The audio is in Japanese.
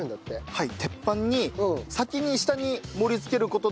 はい。